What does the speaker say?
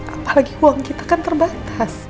apalagi uang kita kan terbatas